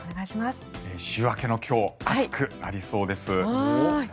週明けの今日暑くなりそうです。